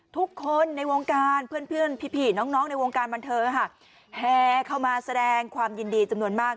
ทุกคนในวงการเพื่อนพี่น้องในวงการบันเทิงค่ะแหเข้ามาแสดงความยินดีจำนวนมาก